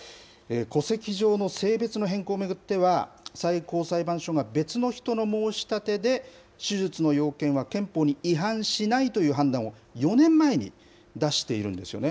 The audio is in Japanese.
戸籍上の性別の変更を巡っては、最高裁判所が別の人の申し立てで手術の要件は憲法に違反しないという判断を４年前に出しているんですよね。